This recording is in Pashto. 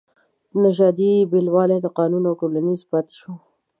نژادي بېلوالی قانوني او ټولنیز پاتې شو.